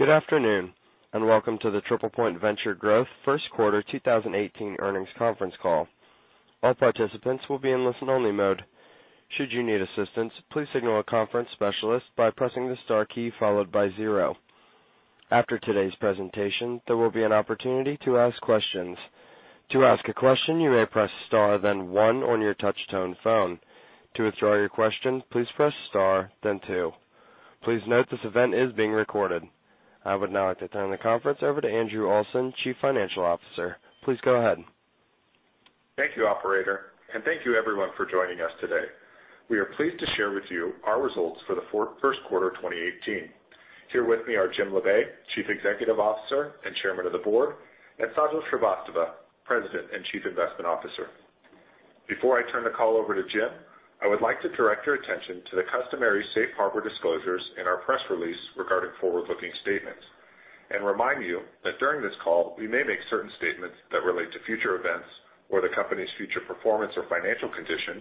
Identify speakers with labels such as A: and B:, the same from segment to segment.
A: Good afternoon, and welcome to the TriplePoint Venture Growth First Quarter 2018 Earnings Conference Call. All participants will be in listen only mode. Should you need assistance, please signal a conference specialist by pressing the star key followed by zero. After today's presentation, there will be an opportunity to ask questions. To ask a question, you may press star then one on your touchtone phone. To withdraw your question, please press star then two. Please note this event is being recorded. I would now like to turn the conference over to Andrew Olson, Chief Financial Officer. Please go ahead.
B: Thank you, operator. Thank you everyone for joining us today. We are pleased to share with you our results for the first quarter of 2018. Here with me are Jim Labe, Chief Executive Officer and Chairman of the Board, and Sajal Srivastava, President and Chief Investment Officer. Before I turn the call over to Jim, I would like to direct your attention to the customary safe harbor disclosures in our press release regarding forward-looking statements and remind you that during this call, we may make certain statements that relate to future events or the company's future performance or financial condition,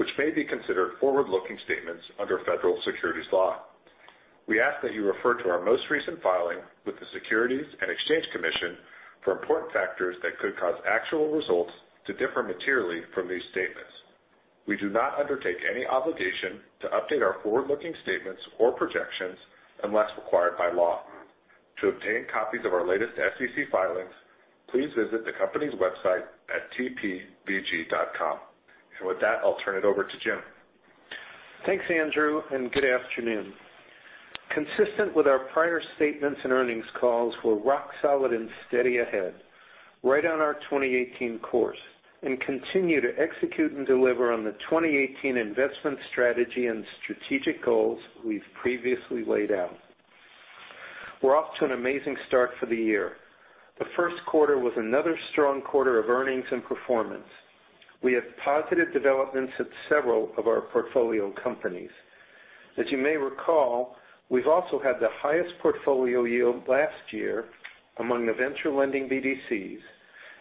B: which may be considered forward-looking statements under federal securities law. We ask that you refer to our most recent filing with the Securities and Exchange Commission for important factors that could cause actual results to differ materially from these statements. We do not undertake any obligation to update our forward-looking statements or projections unless required by law. To obtain copies of our latest SEC filings, please visit the company's website at tpvg.com. With that, I'll turn it over to Jim.
C: Thanks, Andrew. Good afternoon. Consistent with our prior statements and earnings calls, we're rock solid and steady ahead, right on our 2018 course, and continue to execute and deliver on the 2018 investment strategy and strategic goals we've previously laid out. We're off to an amazing start for the year. The first quarter was another strong quarter of earnings and performance. We have positive developments at several of our portfolio companies. As you may recall, we've also had the highest portfolio yield last year among the venture lending BDCs,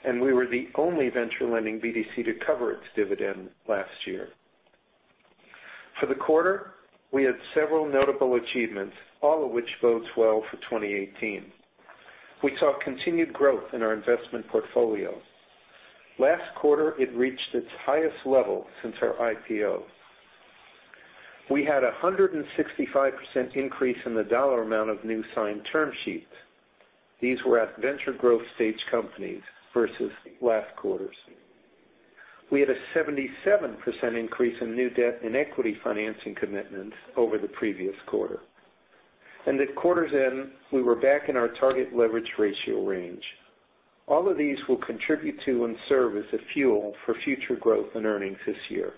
C: and we were the only venture lending BDC to cover its dividend last year. For the quarter, we had several notable achievements, all of which bodes well for 2018. We saw continued growth in our investment portfolio. Last quarter, it reached its highest level since our IPO. We had a 165% increase in the dollar amount of new signed term sheets. These were at venture growth stage companies versus last quarter's. We had a 77% increase in new debt and equity financing commitments over the previous quarter. At quarter's end, we were back in our target leverage ratio range. All of these will contribute to and serve as the fuel for future growth and earnings this year.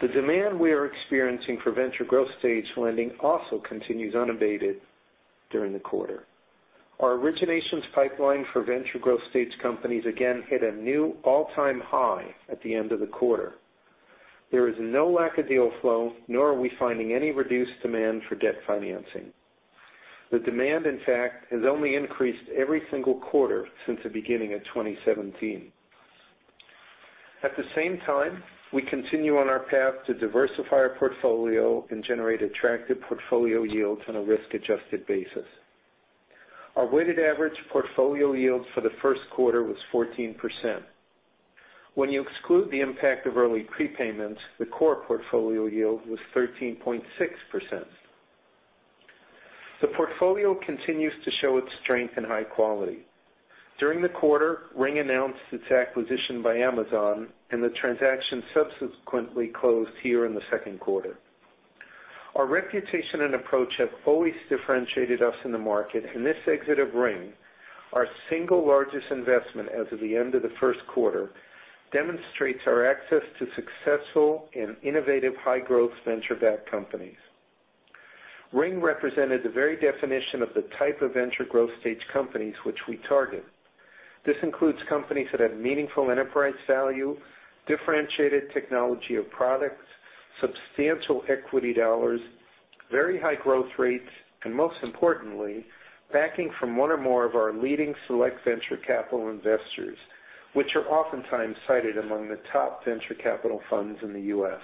C: The demand we are experiencing for venture growth stage lending also continues unabated during the quarter. Our originations pipeline for venture growth stage companies again hit a new all-time high at the end of the quarter. There is no lack of deal flow, nor are we finding any reduced demand for debt financing. The demand, in fact, has only increased every single quarter since the beginning of 2017. At the same time, we continue on our path to diversify our portfolio and generate attractive portfolio yields on a risk-adjusted basis. Our weighted average portfolio yield for the first quarter was 14%. When you exclude the impact of early prepayments, the core portfolio yield was 13.6%. The portfolio continues to show its strength and high quality. During the quarter, Ring announced its acquisition by Amazon, and the transaction subsequently closed here in the second quarter. Our reputation and approach have always differentiated us in the market, and this exit of Ring, our single largest investment as of the end of the first quarter, demonstrates our access to successful and innovative high-growth venture-backed companies. Ring represented the very definition of the type of venture growth stage companies which we target. This includes companies that have meaningful enterprise value, differentiated technology of products, substantial equity dollars, very high growth rates, and most importantly, backing from one or more of our leading select venture capital investors, which are oftentimes cited among the top venture capital funds in the U.S.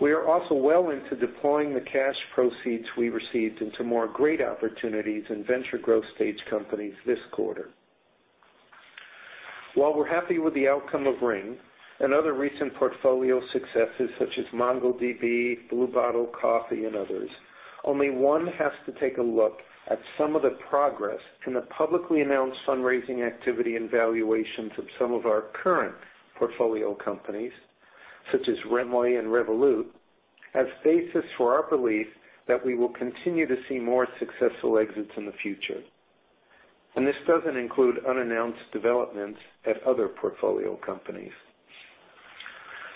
C: We are also well into deploying the cash proceeds we received into more great opportunities in venture growth stage companies this quarter. While we're happy with the outcome of Ring and other recent portfolio successes such as MongoDB, Blue Bottle Coffee, and others, one has to take a look at some of the progress in the publicly announced fundraising activity and valuations of some of our current portfolio companies, such as [RemoFirst] and Revolut, as basis for our belief that we will continue to see more successful exits in the future. This doesn't include unannounced developments at other portfolio companies.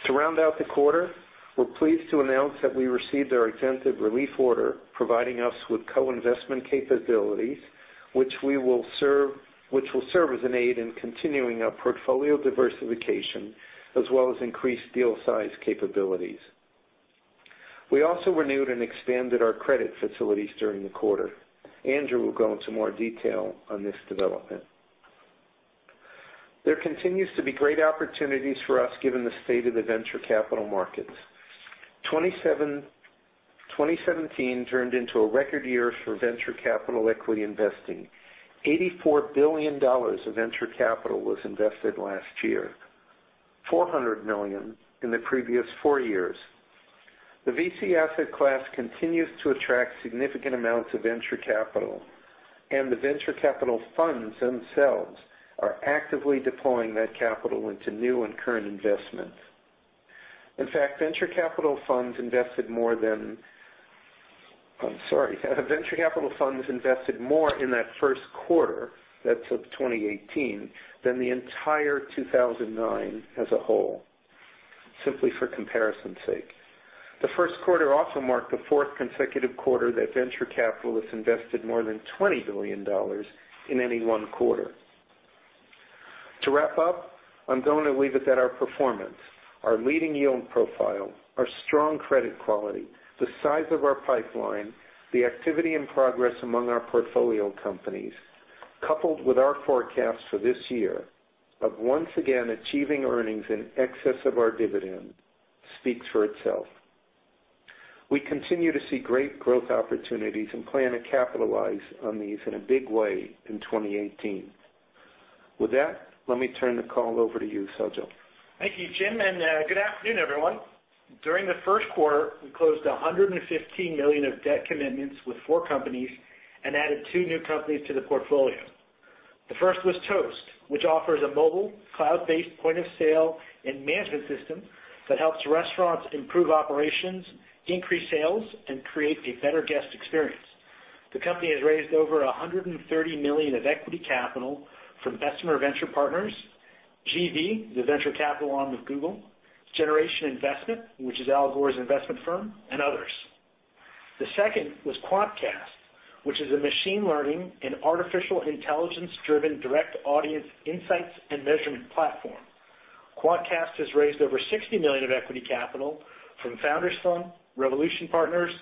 C: To round out the quarter, we're pleased to announce that we received our exemptive relief order, providing us with co-investment capabilities, which will serve as an aid in continuing our portfolio diversification, as well as increased deal size capabilities. We also renewed and expanded our credit facilities during the quarter. Andrew will go into more detail on this development. There continues to be great opportunities for us given the state of the venture capital markets. 2017 turned into a record year for venture capital equity investing. $84 billion of venture capital was invested last year, $400 million in the previous four years. The VC asset class continues to attract significant amounts of venture capital, and the venture capital funds themselves are actively deploying that capital into new and current investments. In fact, venture capital funds invested more in that first quarter of 2018 than the entire 2009 as a whole, simply for comparison's sake. The first quarter also marked the fourth consecutive quarter that venture capitalists invested more than $20 billion in any one quarter. To wrap up, I'm going to leave it at our performance. Our leading yield profile, our strong credit quality, the size of our pipeline, the activity and progress among our portfolio companies, coupled with our forecast for this year of once again achieving earnings in excess of our dividend speaks for itself. We continue to see great growth opportunities and plan to capitalize on these in a big way in 2018. With that, let me turn the call over to you, Sajal.
D: Thank you, Jim, and good afternoon, everyone. During the first quarter, we closed $115 million of debt commitments with four companies and added two new companies to the portfolio. The first was Toast, which offers a mobile, cloud-based point-of-sale and management system that helps restaurants improve operations, increase sales, and create a better guest experience. The company has raised over $130 million of equity capital from Bessemer Venture Partners, GV, the venture capital arm of Google, Generation Investment, which is Al Gore's investment firm, and others. The second was Quantcast, which is a machine learning and artificial intelligence-driven direct audience insights and measurement platform. Quantcast has raised over $60 million of equity capital from Founders Fund, Revolution Partners,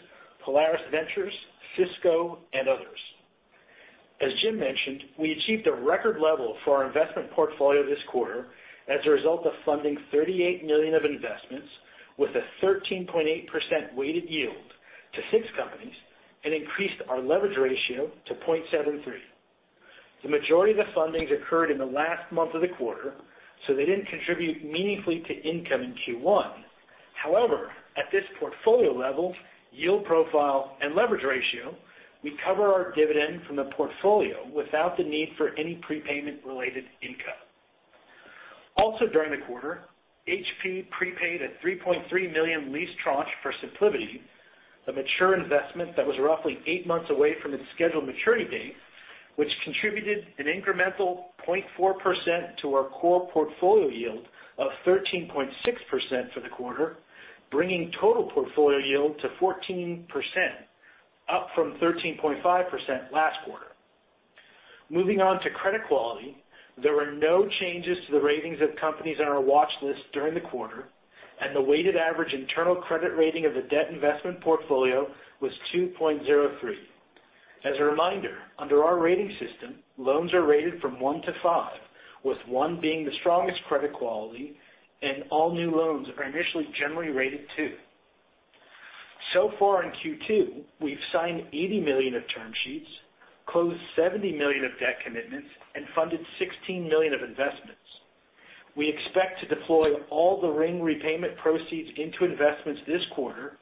D: Polaris Ventures, Cisco, and others. As Jim mentioned, we achieved a record level for our investment portfolio this quarter as a result of funding $38 million of investments with a 13.8% weighted yield to six companies and increased our leverage ratio to 0.73. The majority of the fundings occurred in the last month of the quarter, so they didn't contribute meaningfully to income in Q1. However, at this portfolio level, yield profile, and leverage ratio, we cover our dividend from the portfolio without the need for any prepayment-related income. Also, during the quarter, HP prepaid a $3.3 million lease tranche for SimpliVity, a mature investment that was roughly eight months away from its scheduled maturity date, which contributed an incremental 0.4% to our core portfolio yield of 13.6% for the quarter, bringing total portfolio yield to 14%, up from 13.5% last quarter. Moving on to credit quality. There were no changes to the ratings of companies on our watch list during the quarter, and the weighted average internal credit rating of the debt investment portfolio was 2.03. As a reminder, under our rating system, loans are rated from one to five, with one being the strongest credit quality, and all new loans are initially generally rated 2. So far in Q2, we've signed $80 million of term sheets, closed $70 million of debt commitments and funded $16 million of investments. We expect to deploy all the Ring repayment proceeds into investments this quarter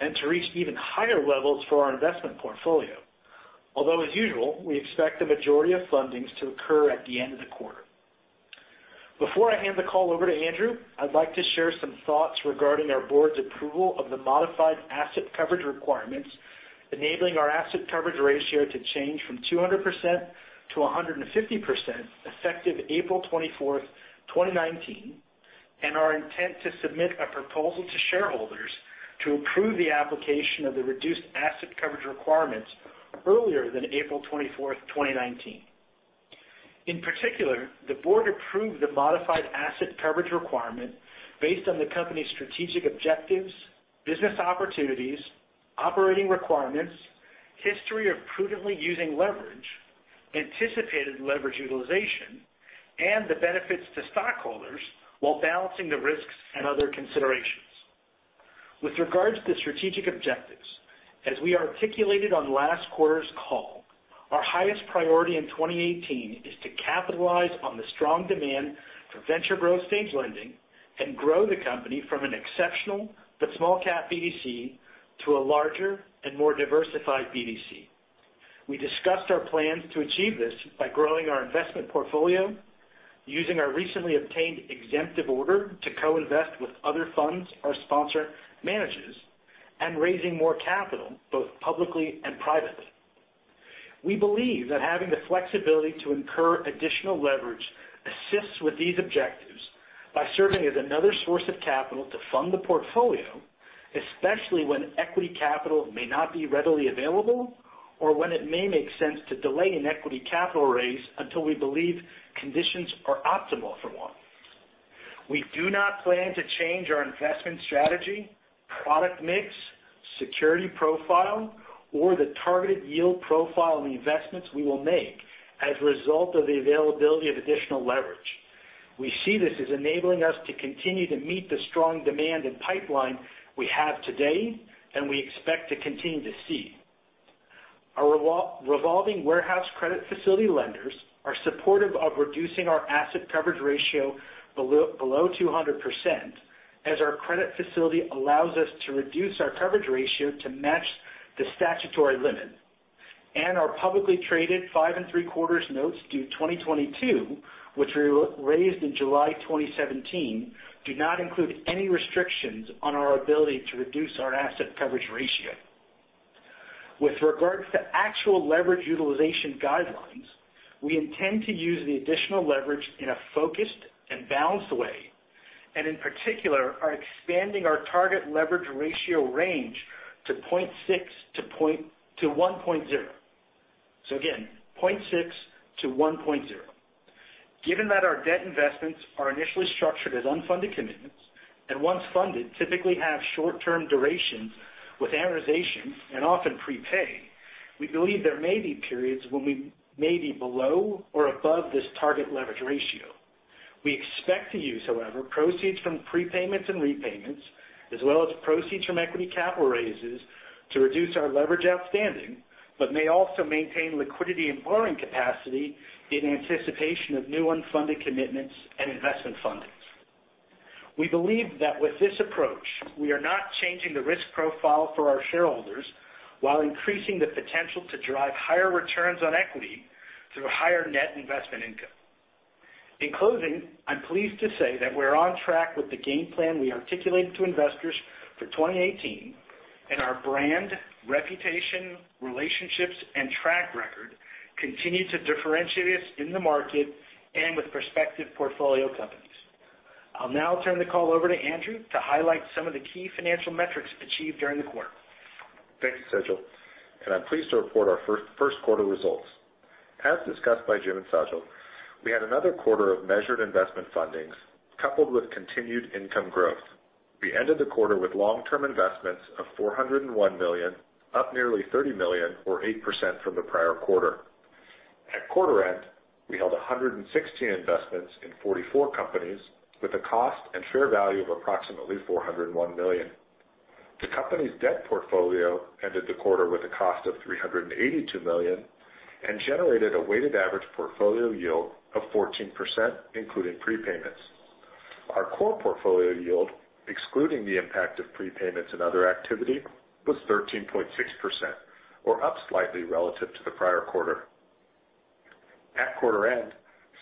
D: and to reach even higher levels for our investment portfolio. Although as usual, we expect the majority of fundings to occur at the end of the quarter. Before I hand the call over to Andrew, I'd like to share some thoughts regarding our board's approval of the modified asset coverage requirements, enabling our asset coverage ratio to change from 200% to 150% effective April 24th, 2019, and our intent to submit a proposal to shareholders to approve the application of the reduced asset coverage requirements earlier than April 24th, 2019. In particular, the board approved the modified asset coverage requirement based on the company's strategic objectives, business opportunities, operating requirements, history of prudently using leverage, anticipated leverage utilization, and the benefits to stockholders while balancing the risks and other considerations. With regards to the strategic objectives, as we articulated on last quarter's call, our highest priority in 2018 is to capitalize on the strong demand for venture growth stage lending and grow the company from an exceptional but small cap BDC to a larger and more diversified BDC. We discussed our plans to achieve this by growing our investment portfolio, using our recently obtained exemptive order to co-invest with other funds our sponsor manages, and raising more capital, both publicly and privately. We believe that having the flexibility to incur additional leverage assists with these objectives by serving as another source of capital to fund the portfolio, especially when equity capital may not be readily available or when it may make sense to delay an equity capital raise until we believe conditions are optimal for one. We do not plan to change our investment strategy, product mix, security profile, or the targeted yield profile on the investments we will make as a result of the availability of additional leverage. We see this as enabling us to continue to meet the strong demand and pipeline we have today, and we expect to continue to see. Our revolving warehouse credit facility lenders are supportive of reducing our asset coverage ratio below 200%, as our credit facility allows us to reduce our coverage ratio to match the statutory limit. Our publicly traded five and three-quarters notes due 2022, which we raised in July 2017, do not include any restrictions on our ability to reduce our asset coverage ratio. With regards to actual leverage utilization guidelines, we intend to use the additional leverage in a focused and balanced way, and in particular, are expanding our target leverage ratio range to 0.6 to 1.0. Again, 0.6 to 1.0. Given that our debt investments are initially structured as unfunded commitments, and once funded, typically have short-term durations with amortization and often prepay, we believe there may be periods when we may be below or above this target leverage ratio. We expect to use, however, proceeds from prepayments and repayments, as well as proceeds from equity capital raises to reduce our leverage outstanding, but may also maintain liquidity and borrowing capacity in anticipation of new unfunded commitments and investment fundings. We believe that with this approach, we are not changing the risk profile for our shareholders while increasing the potential to drive higher returns on equity through higher net investment income. In closing, I'm pleased to say that we're on track with the game plan we articulated to investors for 2018, our brand, reputation, relationships, and track record continue to differentiate us in the market and with prospective portfolio companies. I'll now turn the call over to Andrew Olson to highlight some of the key financial metrics achieved during the quarter.
B: Thank you, Sajal Srivastava. I'm pleased to report our first quarter results. As discussed by Jim and Sajal Srivastava, we had another quarter of measured investment fundings coupled with continued income growth. We ended the quarter with long-term investments of $401 million, up nearly $30 million or 8% from the prior quarter. At quarter end, we held 116 investments in 44 companies with a cost and fair value of approximately $401 million. The company's debt portfolio ended the quarter with a cost of $382 million and generated a weighted average portfolio yield of 14%, including prepayments. Our core portfolio yield, excluding the impact of prepayments and other activity, was 13.6%, or up slightly relative to the prior quarter. At quarter end,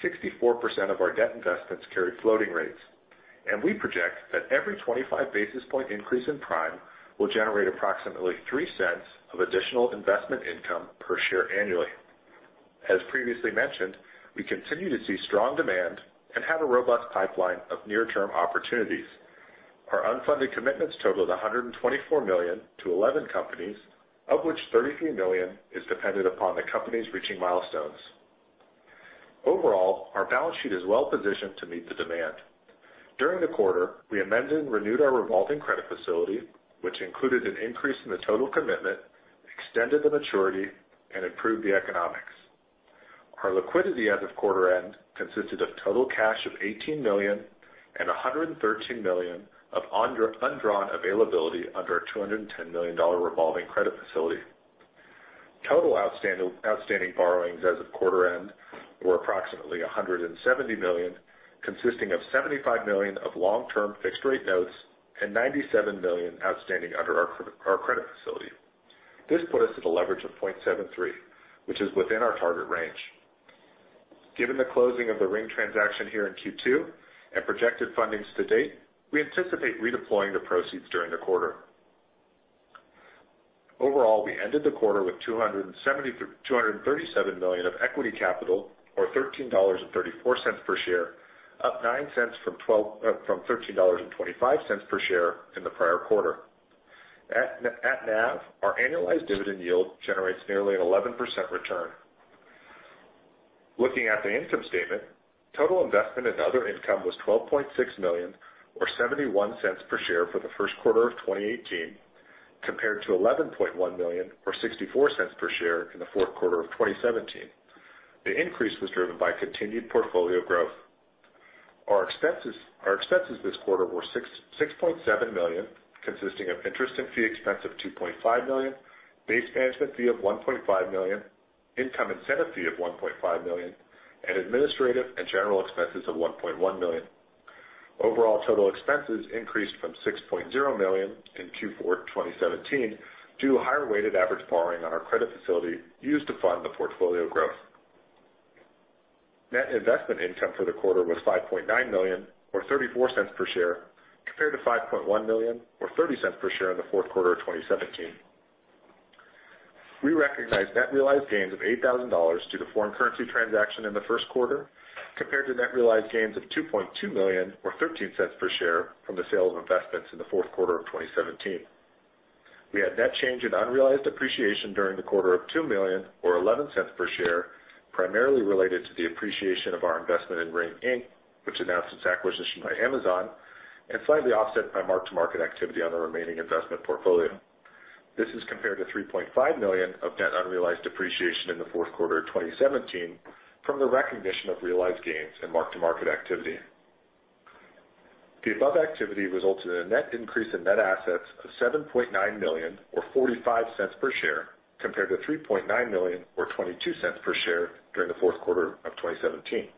B: 64% of our debt investments carried floating rates, we project that every 25 basis point increase in prime will generate approximately $0.03 of additional investment income per share annually. As previously mentioned, we continue to see strong demand and have a robust pipeline of near-term opportunities. Our unfunded commitments totaled $124 million to 11 companies, of which $33 million is dependent upon the companies reaching milestones. Overall, our balance sheet is well-positioned to meet the demand. During the quarter, we amended and renewed our revolving credit facility, which included an increase in the total commitment, extended the maturity, and improved the economics. Our liquidity as of quarter end consisted of total cash of $18 million and $113 million of undrawn availability under our $210 million revolving credit facility. Total outstanding borrowings as of quarter end were approximately $170 million, consisting of $75 million of long-term fixed-rate notes and $97 million outstanding under our credit facility. This put us at a leverage of 0.73, which is within our target range. Given the closing of the Ring transaction here in Q2 and projected fundings to date, we anticipate redeploying the proceeds during the quarter. Overall, we ended the quarter with $237 million of equity capital, or $13.34 per share, up $0.09 from $13.25 per share in the prior quarter. At NAV, our annualized dividend yield generates nearly an 11% return. Looking at the income statement, total investment and other income was $12.6 million or $0.71 per share for the first quarter of 2018, compared to $11.1 million or $0.64 per share in the fourth quarter of 2017. The increase was driven by continued portfolio growth. Our expenses this quarter were $6.7 million, consisting of interest and fee expense of $2.5 million, base management fee of $1.5 million, income incentive fee of $1.5 million, and administrative and general expenses of $1.1 million. Overall total expenses increased from $6.0 million in Q4 2017 due to higher weighted average borrowing on our credit facility used to fund the portfolio growth. Net investment income for the quarter was $5.9 million or $0.34 per share, compared to $5.1 million or $0.30 per share in the fourth quarter of 2017. We recognized net realized gains of $8,000 due to foreign currency transaction in the first quarter, compared to net realized gains of $2.2 million or $0.13 per share from the sale of investments in the fourth quarter of 2017. We had net change in unrealized appreciation during the quarter of $2 million, or $0.11 per share, primarily related to the appreciation of our investment in Ring Inc., which announced its acquisition by Amazon, and slightly offset by mark-to-market activity on the remaining investment portfolio. This is compared to $3.5 million of net unrealized appreciation in the fourth quarter of 2017 from the recognition of realized gains and mark-to-market activity. The above activity resulted in a net increase in net assets of $7.9 million, or $0.45 per share, compared to $3.9 million or $0.22 per share during the fourth quarter of 2017.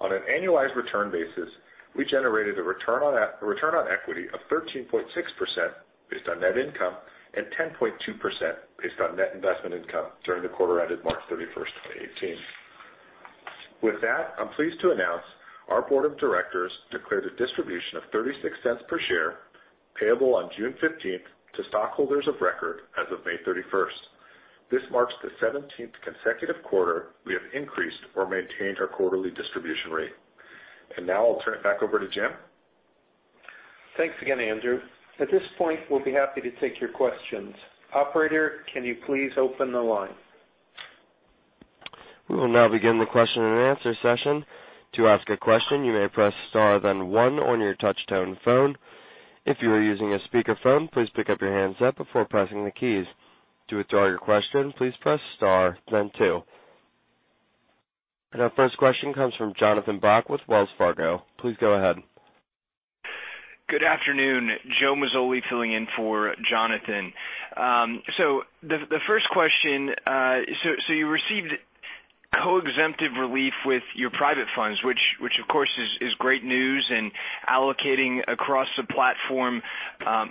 B: On an annualized return basis, we generated a return on equity of 13.6% based on net income and 10.2% based on net investment income during the quarter ended March 31st, 2018. With that, I'm pleased to announce our board of directors declared a distribution of $0.36 per share payable on June 15th to stockholders of record as of May 31st. This marks the 17th consecutive quarter we have increased or maintained our quarterly distribution rate. Now I'll turn it back over to Jim.
C: Thanks again, Andrew. At this point, we'll be happy to take your questions. Operator, can you please open the line?
A: We will now begin the question and answer session. To ask a question, you may press star, then one on your touch-tone phone. If you are using a speakerphone, please pick up your handset before pressing the keys. To withdraw your question, please press star, then two. Our first question comes from Jonathan Bock with Wells Fargo. Please go ahead.
E: Good afternoon. Joseph Mazzoli filling in for Jonathan. The first question. You received co-exemptive relief with your private funds, which of course is great news, and allocating across the platform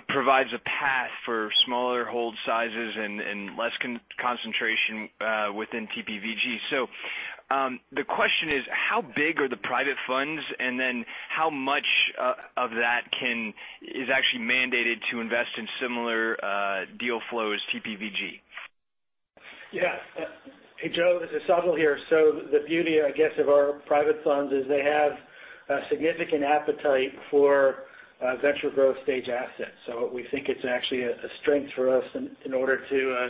E: provides a path for smaller hold sizes and less concentration within TPVG. The question is, how big are the private funds, and then how much of that is actually mandated to invest in similar deal flow as TPVG?
D: Yeah. Hey, Joe, this is Sajal here. The beauty, I guess, of our private funds is they have a significant appetite for venture growth stage assets. We think it's actually a strength for us in order to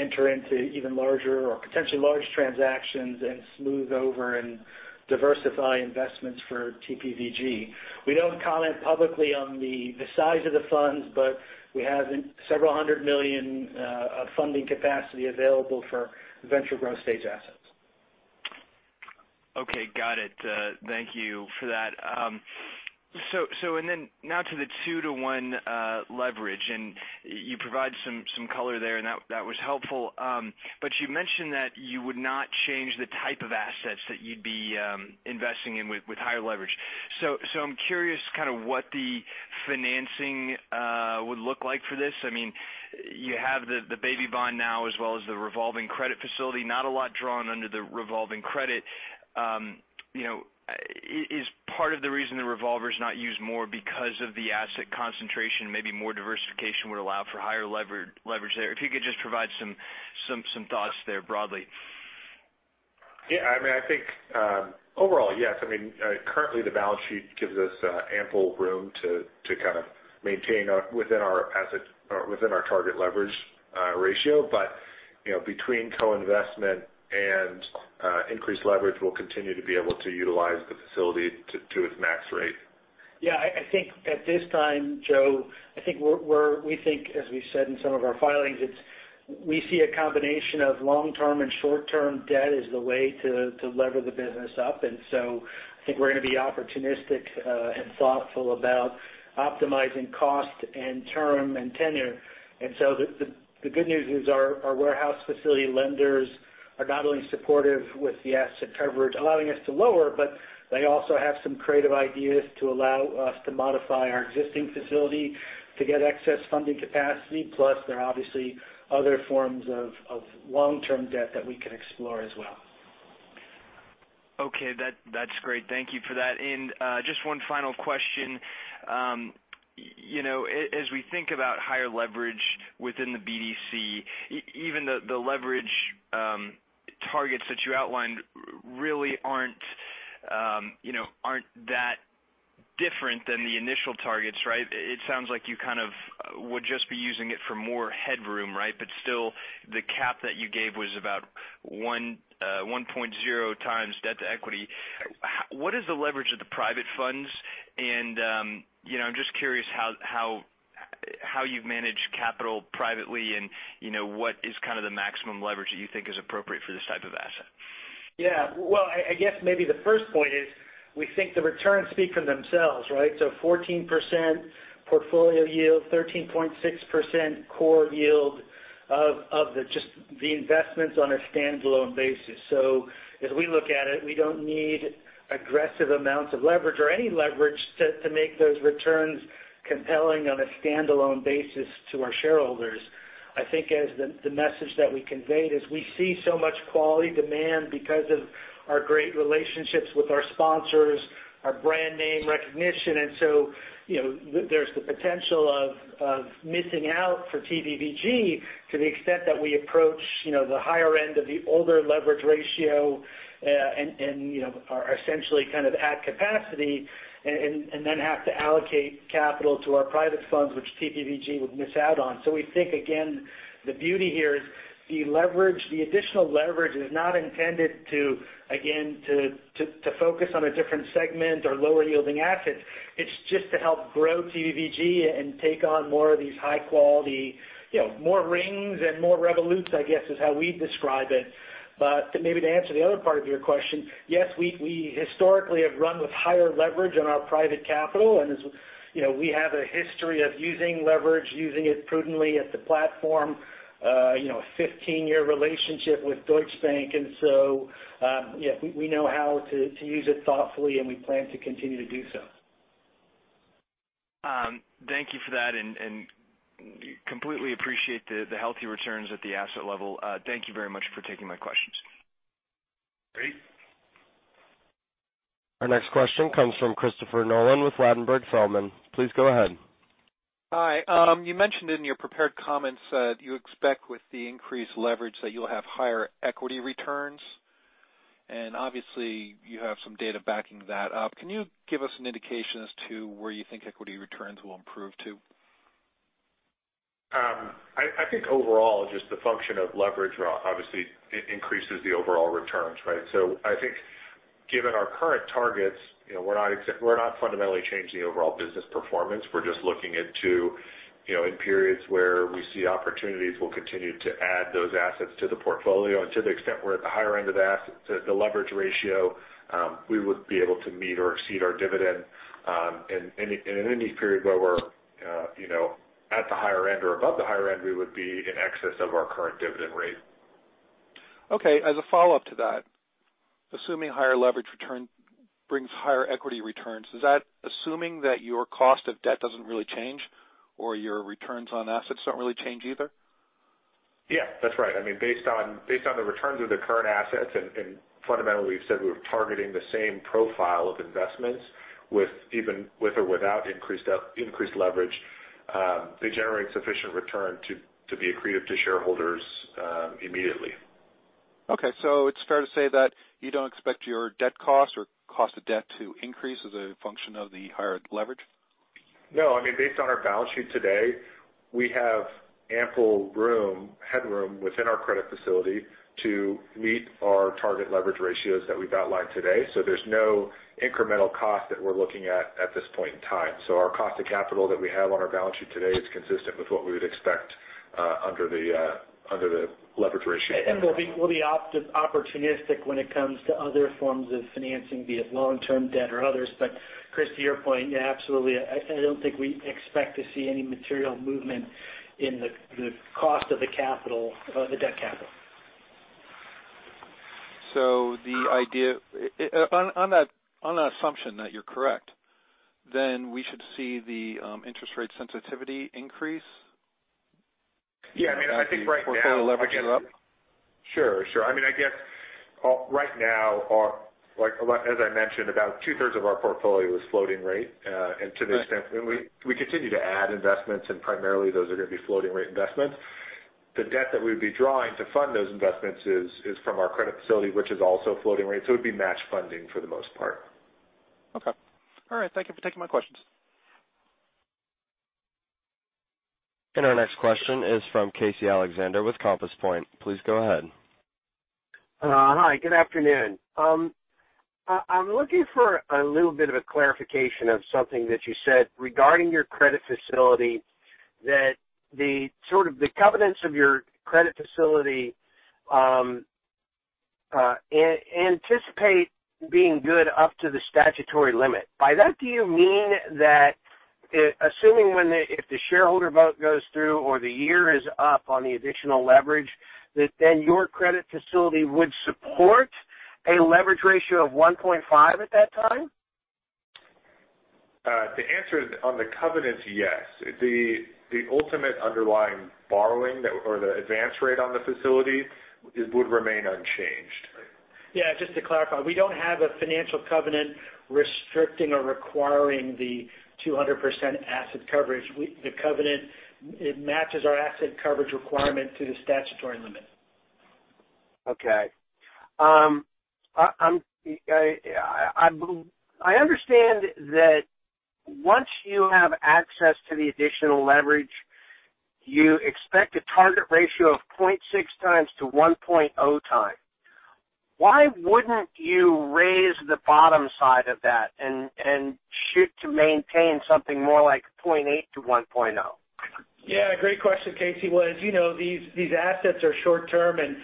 D: enter into even larger or potentially large transactions and smooth over and diversify investments for TPVG. We don't comment publicly on the size of the funds, but we have several hundred million dollars of funding capacity available for venture growth stage assets.
E: Okay. Got it. Thank you for that. Now to the 2 to 1 leverage, and you provide some color there, and that was helpful. You mentioned that you would not change the type of assets that you'd be investing in with higher leverage. I'm curious kind of what the financing would look like for this. I mean, you have the baby bond now as well as the revolving credit facility. Not a lot drawn under the revolving credit. Is part of the reason the revolver's not used more because of the asset concentration? Maybe more diversification would allow for higher leverage there. If you could just provide some thoughts there broadly.
B: I think overall, yes. Currently the balance sheet gives us ample room to kind of maintain within our target leverage ratio. Between co-investment and increased leverage, we'll continue to be able to utilize the facility to its max rate.
D: I think at this time, Joe, we think, as we've said in some of our filings, we see a combination of long-term and short-term debt as the way to lever the business up. I think we're going to be opportunistic and thoughtful about optimizing cost and term and tenure. The good news is our warehouse facility lenders are not only supportive with the asset coverage allowing us to lower, they also have some creative ideas to allow us to modify our existing facility to get excess funding capacity. There are obviously other forms of long-term debt that we can explore as well.
E: That's great. Thank you for that. Just one final question. As we think about higher leverage within the BDC, even the leverage targets that you outlined really aren't that different than the initial targets, right? It sounds like you kind of would just be using it for more headroom, right? Still, the cap that you gave was about 1.0 times debt to equity. What is the leverage of the private funds? I'm just curious how you've managed capital privately, and what is kind of the maximum leverage that you think is appropriate for this type of asset?
D: I guess maybe the first point is we think the returns speak for themselves, right? 14% portfolio yield, 13.6% core yield of just the investments on a standalone basis. As we look at it, we don't need aggressive amounts of leverage or any leverage to make those returns compelling on a standalone basis to our shareholders. I think as the message that we conveyed is we see so much quality demand because of our great relationships with our sponsors, our brand name recognition. There's the potential of missing out for TPVG to the extent that we approach the higher end of the older leverage ratio and essentially at capacity and then have to allocate capital to our private funds, which TPVG would miss out on. We think, again, the beauty here is the additional leverage is not intended to, again, focus on a different segment or lower yielding assets. It's just to help grow TPVG and take on more of these high quality, more Ring and more Revolut, I guess, is how we'd describe it. Maybe to answer the other part of your question, yes, we historically have run with higher leverage on our private capital, and we have a history of using leverage, using it prudently at the platform. A 15-year relationship with Deutsche Bank. Yes, we know how to use it thoughtfully, and we plan to continue to do so.
E: Thank you for that, completely appreciate the healthy returns at the asset level. Thank you very much for taking my questions.
D: Great.
A: Our next question comes from Christopher Nolan with Ladenburg Thalmann. Please go ahead.
F: Hi. You mentioned in your prepared comments that you expect with the increased leverage that you'll have higher equity returns, and obviously you have some data backing that up. Can you give us an indication as to where you think equity returns will improve to?
B: I think overall, just the function of leverage, obviously, it increases the overall returns, right? I think given our current targets, we're not fundamentally changing the overall business performance. We're just looking into periods where we see opportunities. We'll continue to add those assets to the portfolio. To the extent we're at the higher end of the leverage ratio, we would be able to meet or exceed our dividend. In any period where we're at the higher end or above the higher end, we would be in excess of our current dividend rate.
F: Okay, as a follow-up to that. Assuming higher leverage return brings higher equity returns. Is that assuming that your cost of debt doesn't really change or your returns on assets don't really change either?
B: Yeah, that's right. Based on the returns of the current assets, and fundamentally we've said we're targeting the same profile of investments even with or without increased leverage. They generate sufficient return to be accretive to shareholders immediately.
F: Okay. It's fair to say that you don't expect your debt cost or cost of debt to increase as a function of the higher leverage?
B: No. Based on our balance sheet today, we have ample headroom within our credit facility to meet our target leverage ratios that we've outlined today. There's no incremental cost that we're looking at at this point in time. Our cost of capital that we have on our balance sheet today is consistent with what we would expect under the leverage ratio.
D: We'll be opportunistic when it comes to other forms of financing, be it long-term debt or others. Chris, to your point, yeah, absolutely. I don't think we expect to see any material movement in the cost of the debt capital.
F: On that assumption that you're correct, we should see the interest rate sensitivity increase?
B: Yeah. I think right now.
F: As the portfolio leverage goes up.
B: Sure. I guess right now, as I mentioned, about two-thirds of our portfolio is floating rate.
F: Right.
B: To the extent we continue to add investments, and primarily those are going to be floating rate investments. The debt that we would be drawing to fund those investments is from our credit facility, which is also floating rate. It would be matched funding for the most part.
F: Okay. All right. Thank you for taking my questions.
A: Our next question is from Casey Alexander with Compass Point. Please go ahead.
G: Hi, good afternoon. I'm looking for a little bit of a clarification of something that you said regarding your credit facility, that the covenants of your credit facility anticipate being good up to the statutory limit. By that, do you mean that assuming if the shareholder vote goes through or the year is up on the additional leverage, that then your credit facility would support a leverage ratio of 1.5 at that time?
B: The answer on the covenant's yes. The ultimate underlying borrowing or the advance rate on the facility would remain unchanged.
D: Yeah, just to clarify. We don't have a financial covenant restricting or requiring the 200% asset coverage. The covenant matches our asset coverage requirement to the statutory limit.
G: Okay. I understand that once you have access to the additional leverage, you expect a target ratio of 0.6 times to 1.0 times. Why wouldn't you raise the bottom side of that and shoot to maintain something more like 0.8 to 1.0?
D: Yeah. Great question, Casey. Well, as you know, these assets are short-term and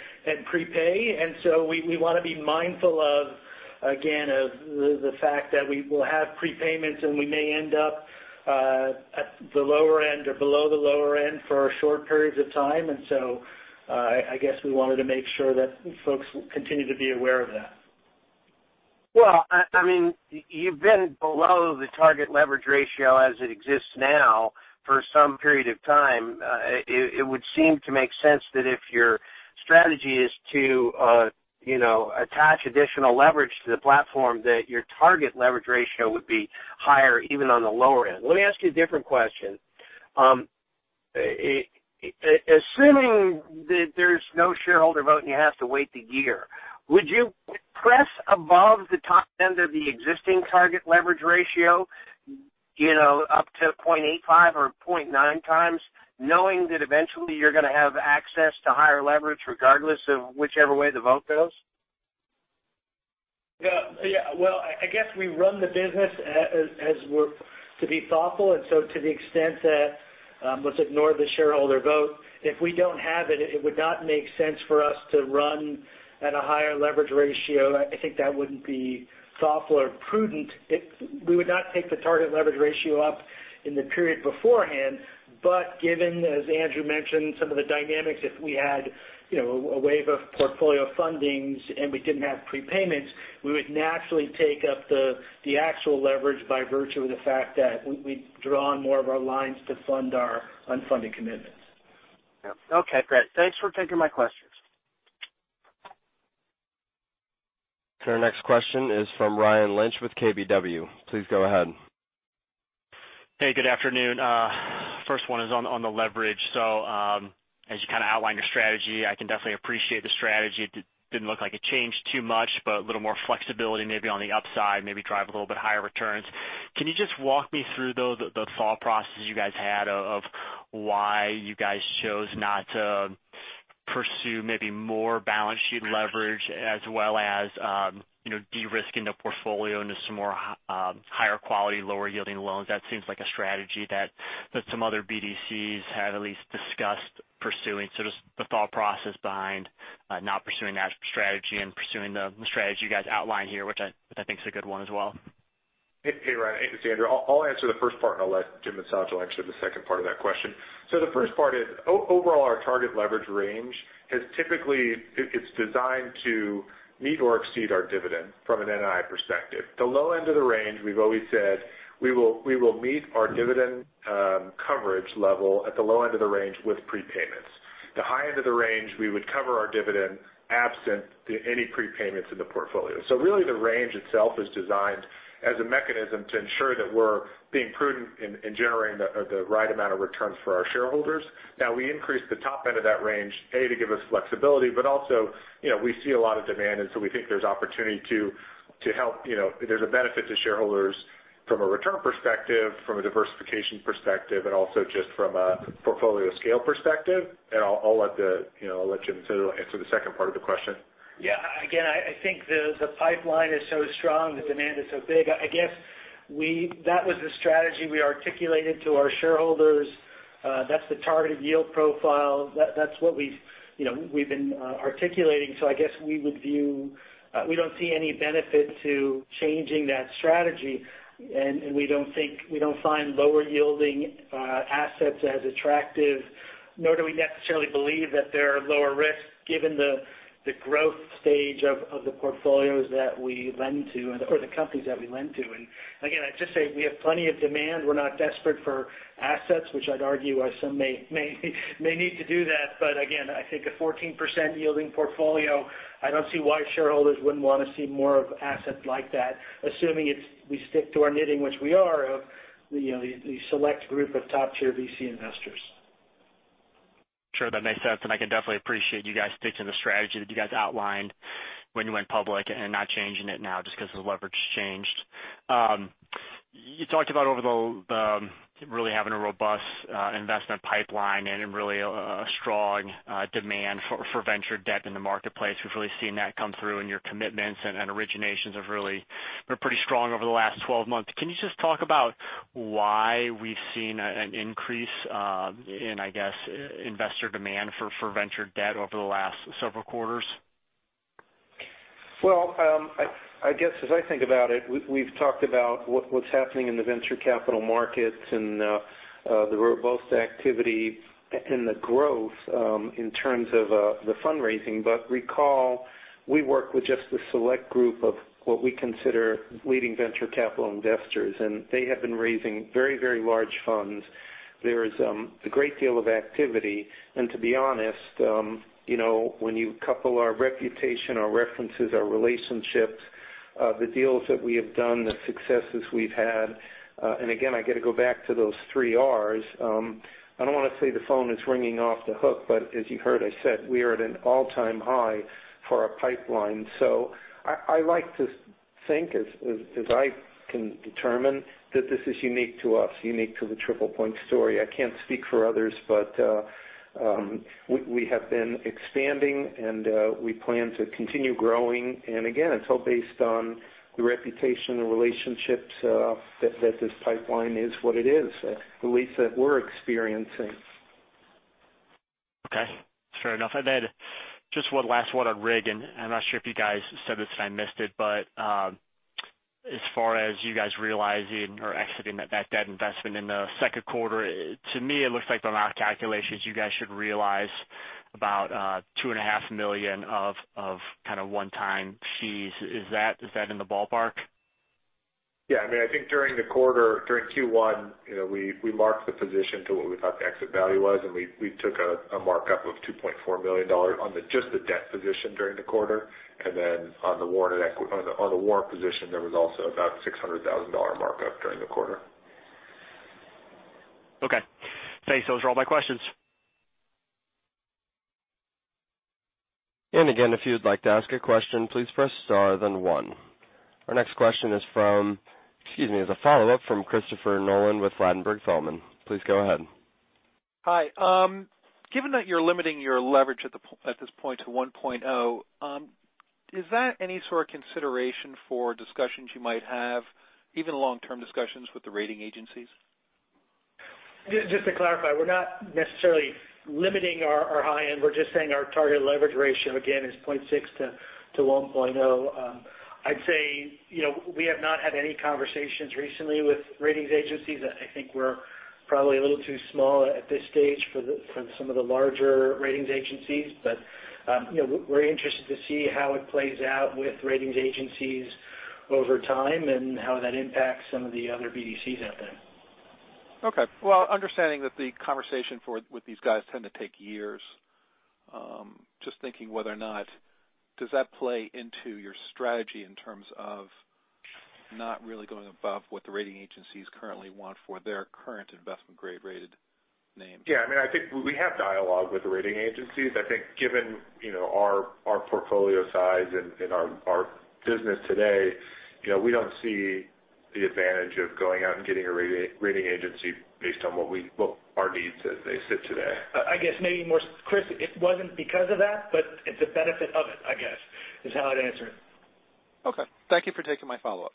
D: prepay. We want to be mindful of, again, the fact that we will have prepayments, and we may end up at the lower end or below the lower end for short periods of time. I guess we wanted to make sure that folks continue to be aware of that.
G: Well, you've been below the target leverage ratio as it exists now for some period of time. It would seem to make sense that if your strategy is to attach additional leverage to the platform, that your target leverage ratio would be higher, even on the lower end. Let me ask you a different question. Assuming that there's no shareholder vote and you have to wait the year, would you press above the top end of the existing target leverage ratio up to 0.85 or 0.9 times, knowing that eventually you're going to have access to higher leverage regardless of whichever way the vote goes?
D: Yeah. Well, I guess we run the business as we're to be thoughtful, and so to the extent that, let's ignore the shareholder vote. If we don't have it would not make sense for us to run at a higher leverage ratio. I think that wouldn't be thoughtful or prudent. We would not take the target leverage ratio up in the period beforehand, but given, as Andrew mentioned, some of the dynamics, if we had a wave of portfolio fundings and we didn't have prepayments, we would naturally take up the actual leverage by virtue of the fact that we draw on more of our lines to fund our unfunded commitments.
G: Okay, great. Thanks for taking my questions.
A: Our next question is from Ryan Lynch with KBW. Please go ahead.
H: Hey, good afternoon. First one is on the leverage. As you kind of outlined your strategy, I can definitely appreciate the strategy. It didn't look like it changed too much, but a little more flexibility maybe on the upside, maybe drive a little bit higher returns. Can you just walk me through, though, the thought process you guys had of why you guys chose not to pursue maybe more balance sheet leverage as well as de-risking the portfolio into some more higher quality, lower yielding loans? That seems like a strategy that some other BDCs have at least discussed pursuing. Just the thought process behind not pursuing that strategy and pursuing the strategy you guys outlined here, which I think is a good one as well.
B: Hey, Ryan. Hey, Andrew. I'll answer the first part, and I'll let [Jim or Sajal to answer] the second part of that question. The first part is, overall, our target leverage range is designed to meet or exceed our dividend from an NII perspective. The low end of the range, we've always said we will meet our dividend coverage level at the low end of the range with prepayments. The high end of the range, we would cover our dividend absent any prepayments in the portfolio. Really the range itself is designed as a mechanism to ensure that we're being prudent in generating the right amount of returns for our shareholders. We increased the top end of that range, A, to give us flexibility. Also, we see a lot of demand, so we think there's a benefit to shareholders from a return perspective, from a diversification perspective, and also just from a portfolio scale perspective. I'll let Jim answer the second part of the question.
C: Again, I think the pipeline is so strong, the demand is so big. I guess that was the strategy we articulated to our shareholders. That's the targeted yield profile. That's what we've been articulating. I guess we don't see any benefit to changing that strategy, and we don't find lower yielding assets as attractive, nor do we necessarily believe that they're lower risk given the growth stage of the portfolios that we lend to or the companies that we lend to. Again, I'd just say we have plenty of demand. We're not desperate for assets, which I'd argue some may need to do that. Again, I think a 14% yielding portfolio, I don't see why shareholders wouldn't want to see more of assets like that, assuming we stick to our knitting, which we are, of the select group of top tier VC investors.
H: Sure, that makes sense. I can definitely appreciate you guys sticking to the strategy that you guys outlined when you went public and not changing it now just because the leverage changed. You talked about really having a robust investment pipeline and really a strong demand for venture debt in the marketplace. We've really seen that come through in your debt commitments, and originations have really been pretty strong over the last 12 months. Can you just talk about why we've seen an increase in, I guess, investor demand for venture debt over the last several quarters?
C: Well, I guess as I think about it, we've talked about what's happening in the venture capital markets and the robust activity and the growth in terms of the fundraising. Recall, we work with just a select group of what we consider leading venture capital investors, and they have been raising very large funds. There is a great deal of activity. To be honest, when you couple our reputation, our references, our relationships, the deals that we have done, the successes we've had. Again, I got to go back to those three Rs. I don't want to say the phone is ringing off the hook, as you heard, I said we are at an all-time high for our pipeline. I like to think, as I can determine, that this is unique to us, unique to the TriplePoint story. I can't speak for others, but we have been expanding, and we plan to continue growing. Again, it's all based on the reputation, the relationships, that this pipeline is what it is, at least that we're experiencing.
H: Okay. Fair enough. Just one last one on Ring, and I'm not sure if you guys said this and I missed it, but as far as you guys realizing or exiting that debt investment in the second quarter, to me, it looks like by my calculations, you guys should realize about $two and a half million of one time fees. Is that in the ballpark?
B: I think during the quarter, during Q1, we marked the position to what we thought the exit value was, and we took a markup of $2.4 million on just the debt position during the quarter. Then on the warrant position, there was also about a $600,000 markup during the quarter.
H: Okay. Thanks. Those are all my questions.
A: If you'd like to ask a question, please press star then one. Our next question is a follow-up from Christopher Nolan with Ladenburg Thalmann. Please go ahead.
F: Hi. Given that you're limiting your leverage at this point to 1.0, is that any sort of consideration for discussions you might have, even long-term discussions, with the rating agencies?
D: Just to clarify, we're not necessarily limiting our high end. We're just saying our target leverage ratio, again, is 0.6 to 1.0. I'd say, we have not had any conversations recently with ratings agencies. I think we're probably a little too small at this stage for some of the larger ratings agencies. We're interested to see how it plays out with ratings agencies over time and how that impacts some of the other BDCs out there.
F: Okay. Well, understanding that the conversation with these guys tend to take years, just thinking whether or not, does that play into your strategy in terms of not really going above what the rating agencies currently want for their current investment grade rated name?
B: Yeah. I think we have dialogue with the rating agencies. I think given our portfolio size and our business today, we don't see the advantage of going out and getting a rating agency based on our needs as they sit today.
D: I guess maybe more, Chris, it wasn't because of that, but it's a benefit of it, I guess, is how I'd answer it.
F: Okay. Thank you for taking my follow-up.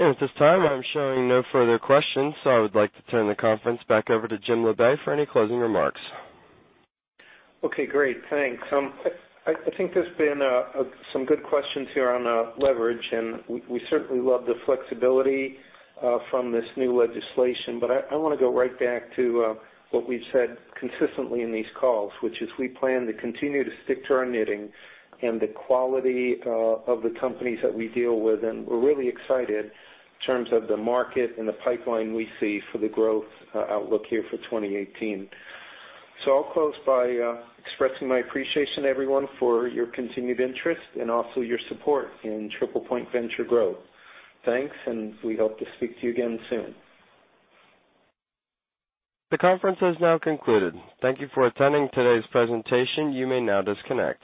A: At this time, I'm showing no further questions, so I would like to turn the conference back over to Jim Labe for any closing remarks.
C: Okay, great. Thanks. I think there's been some good questions here on leverage. We certainly love the flexibility from this new legislation. I want to go right back to what we've said consistently in these calls, which is we plan to continue to stick to our knitting and the quality of the companies that we deal with, and we're really excited in terms of the market and the pipeline we see for the growth outlook here for 2018. I'll close by expressing my appreciation, everyone, for your continued interest and also your support in TriplePoint Venture Growth. Thanks. We hope to speak to you again soon.
A: The conference has now concluded. Thank you for attending today's presentation. You may now disconnect.